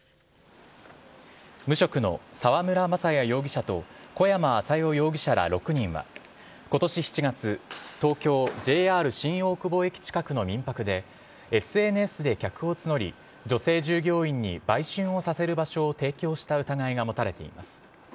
無職の沢村雅也容疑者と小山麻代容疑者ら６人は、ことし７月、東京、ＪＲ新大久保駅近くの民泊で、ＳＮＳで客を募り、女性従業員に売春をさせる場所を提供した疑いが持たれています。